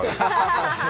・ハハハハハ